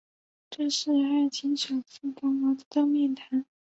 这是艾青首次同毛泽东面谈。